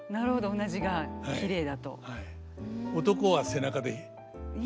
うなじがきれいだと。